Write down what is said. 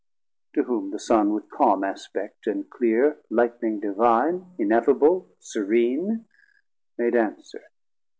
To whom the Son with calm aspect and cleer 730 Light'ning Divine, ineffable, serene, Made answer.